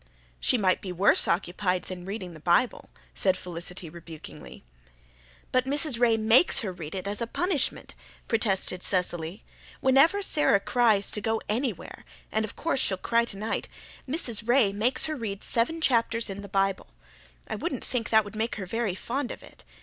"She might be worse occupied than reading the Bible," said Felicity rebukingly. "But Mrs. Ray makes her read it as a punishment," protested Cecily. "Whenever Sara cries to go anywhere and of course she'll cry tonight Mrs. Ray makes her read seven chapters in the Bible. I wouldn't think that would make her very fond of it.